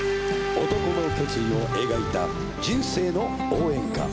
男の決意を描いた人生の応援歌。